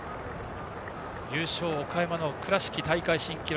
優勝は岡山の倉敷、大会新記録。